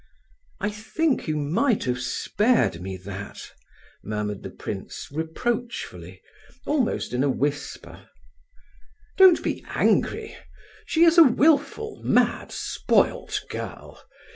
"I think you might have spared me that," murmured the prince reproachfully, almost in a whisper. "Don't be angry; she is a wilful, mad, spoilt girl.